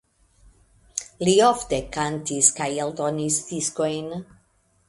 Li ofte kantis kaj eldonis diskojn.